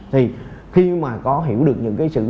thì khi mà có hiểu được